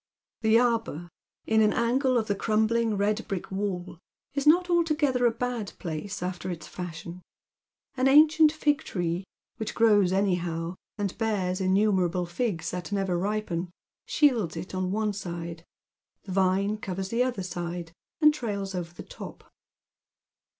The arbour, in an angle of the crumbling red brick wall, is not altogether a bad place after its fashion. An ancient fig tree, which grows anyhow, and bears innumerable figs that never lipen, shields it on one side, the vine covers the other side, and trails over tiie top.